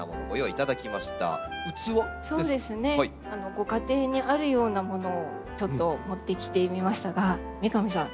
ご家庭にあるようなものをちょっと持ってきてみましたが三上さん